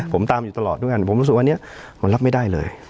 ผมตามอยู่ตลอดด้วยกันผมรู้สึกว่าอันนี้มันรับไม่ได้เลย